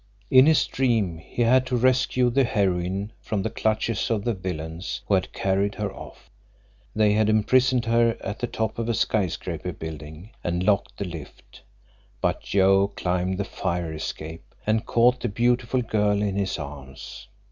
In his dream he had to rescue the heroine from the clutches of the villains who had carried her off. They had imprisoned her at the top of a "skyscraper" building and locked the lift, but Joe climbed the fire escape and caught the beautiful girl in his arms.